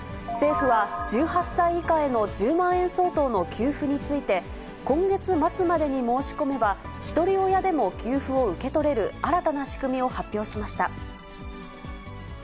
政府は、１８歳以下への１０万円相当の給付について、今月末までに申し込めば、ひとり親でも給付を受け取れる新たな仕組みを発表しました。